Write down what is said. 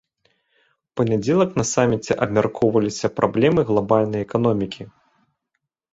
У панядзелак на саміце абмяркоўваліся праблемы глабальнай эканомікі.